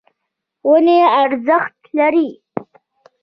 ونې ارزښت لري.